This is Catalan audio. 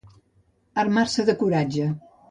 Armar-se de coratge.